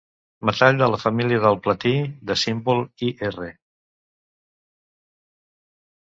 Metall de la família del platí, de símbol Ir.